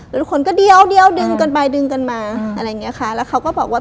แล้วทุกคนก็เดียวเดี๋ยวดึงกันไปดึงกันมาอะไรอย่างเงี้ยค่ะแล้วเขาก็บอกว่า